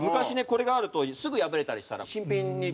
これがあるとすぐ破れたりしたら新品に。